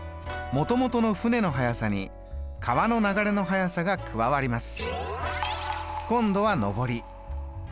もともとの舟の速さから川の流れの速さの分遅くなります。